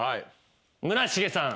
村重さん。